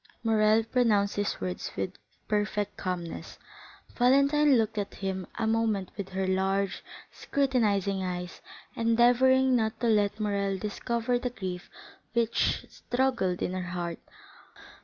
Morrel pronounced these words with perfect calmness; Valentine looked at him a moment with her large, scrutinizing eyes, endeavoring not to let Morrel discover the grief which struggled in her heart.